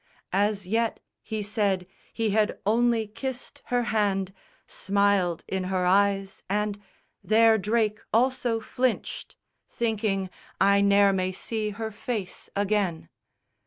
As yet, he said, he had only kissed her hand, Smiled in her eyes and there Drake also flinched, Thinking, "I ne'er may see her face again."